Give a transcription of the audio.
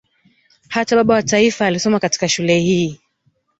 Hata baba wa taifa alisoma katika shule hii